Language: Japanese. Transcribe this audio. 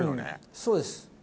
そうです。